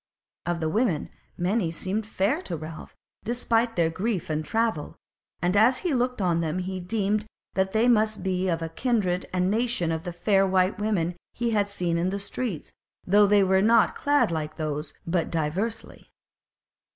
Of the women many seemed fair to Ralph despite their grief and travel; and as he looked on them he deemed that they must be of the kindred and nation of the fair white women he had seen in the streets; though they were not clad like those, but diversely.